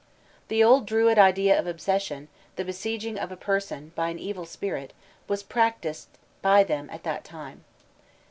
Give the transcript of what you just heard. The old Druid idea of obsession, the besieging of a person by an evil spirit, was practised by them at that time.